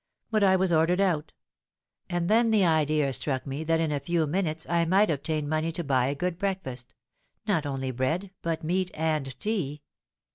But I was ordered out; and then the idea struck me that in a few minutes I might obtain money to buy a good breakfast—not only bread, but meat and tea!